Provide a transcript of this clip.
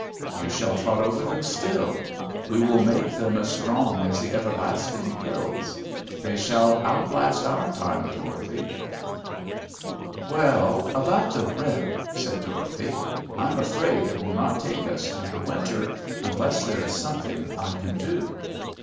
"You shall trot over them still. We will make them as strong as the everlasting hills. They shall outlast our time, Dorothy." "Well, about the rent," said Dorothy. "I'm afraid it will not take us through the winter, unless there is something I can do.